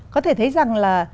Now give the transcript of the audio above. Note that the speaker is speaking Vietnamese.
có thể thấy rằng là